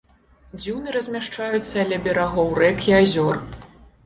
Дзюны размяшчаюцца ля берагоў рэк і азёр.